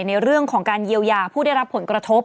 ในเรื่องของการเยียวยาผู้ได้รับผลกระทบ